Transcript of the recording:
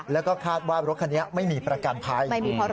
แล้วก็คาดว่ารถคันนี้ไม่มีประกันภัย